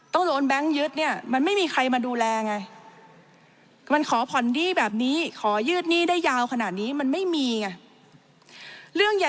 ต้องโดนแบงค์ยืด